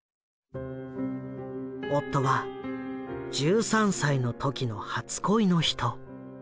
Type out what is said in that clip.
夫は１３歳の時の初恋の人。